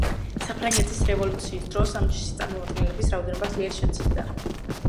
საფრანგეთის რევოლუციის დროს ამ ჯიშის წარმომადგენლების რაოდენობა ძლიერ შემცირდა.